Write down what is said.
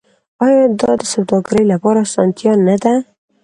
آیا دا د سوداګرۍ لپاره اسانتیا نه ده؟